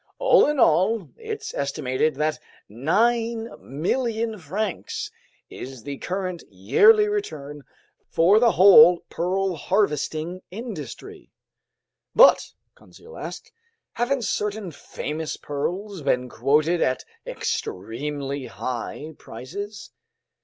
All in all, it's estimated that 9,000,000 francs is the current yearly return for the whole pearl harvesting industry." "But," Conseil asked, "haven't certain famous pearls been quoted at extremely high prices?"